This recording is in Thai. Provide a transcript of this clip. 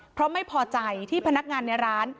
เพราะไม่พอใจที่พนักงานในร้าน